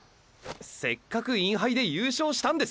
せっかくインハイで優勝したんですよ！！